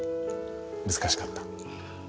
難しかった？